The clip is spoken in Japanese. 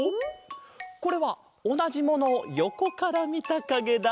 これはおなじものをよこからみたかげだ！